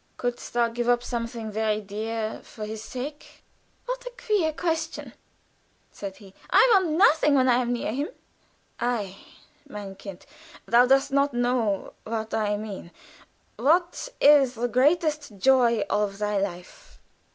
"Couldst thou give up something very dear for his sake?" "What a queer question!" said Sigmund. "I want nothing when I am with him." "Ei! mein kind! Thou dost not know what I mean. What is the greatest joy of thy life?